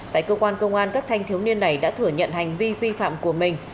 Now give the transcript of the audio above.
tại cơ quan công an các thanh thiếu niên này đã thừa nhận hành vi vi phạm của mình